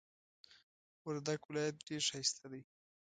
وردک ولایت ډیر ښایسته دی.